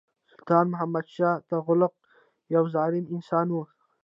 سلطان محمدشاه تغلق یو ظالم انسان وو.